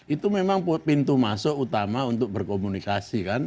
itu memang pintu masuk utama untuk berkomunikasi kan